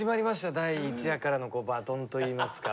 第１話からのバトンといいますか。